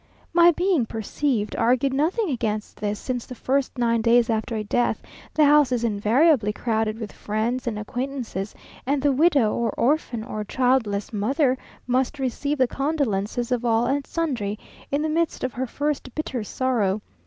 My being received, argued nothing against this, since the first nine days after a death, the house is invariably crowded with friends and acquaintances, and the widow, or orphan, or childless mother must receive the condolences of all and sundry, in the midst of her first bitter sorrow.